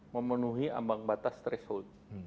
memenuhi ambang batas threshold